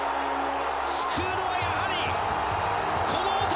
救うのはやはり、この男！